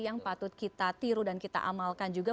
yang patut kita tiru dan kita amalkan juga